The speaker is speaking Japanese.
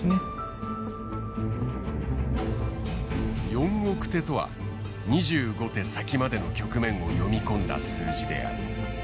４億手とは２５手先までの局面を読み込んだ数字である。